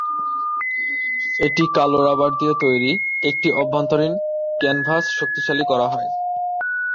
এটি কালো রাবার দিয়ে তৈরি, একটি অভ্যন্তরীণ ক্যানভাস শক্তিশালী করা হয়।